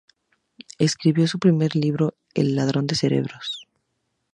Escribió su primer libro —"El ladrón de cerebros.